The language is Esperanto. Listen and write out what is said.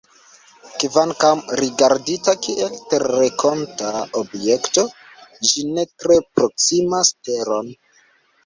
Kvankam rigardita kiel terrenkonta objekto, ĝi ne tre proksimas Teron.